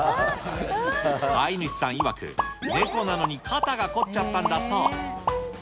飼い主さんいわく、ネコなのに肩が凝っちゃったんだそう。